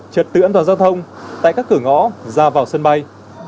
trật tự an toàn giao thông tại các cửa ngõ ra vào sân bay